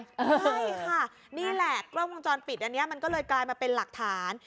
ใช่ค่ะนี่แหละกล้องวงจรปิดอันนี้มันก็เลยกลายมาเป็นหลักฐาน